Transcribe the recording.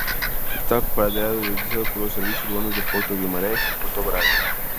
Este apeadero es utilizado por los servicios urbanos de Porto-Guimarães y Porto-Braga.